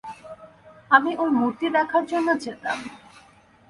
আমি ঐ মূর্তি দেখার জন্যে যেতাম।